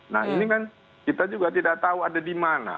nah ini kan kita juga tidak tahu ada di mana